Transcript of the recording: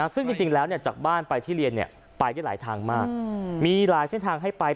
ซึ่งจริงแล้วจากบ้านไปที่เรียนไปได้หลายทางมากมีหลายเส้นทางให้ไป